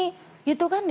saya tidak ingin